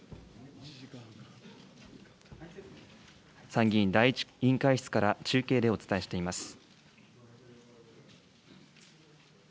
参議院第１委員会室から中継でお伝えしています。